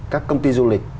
các công ty du lịch